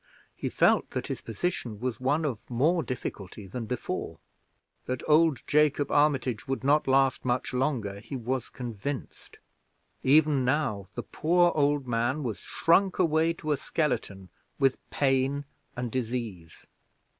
He felt that his position was one of more difficulty than before. That old Jacob Armitage would not last much longer, he was convinced; even now the poor old man was shrunk away to a skeleton with pain and disease.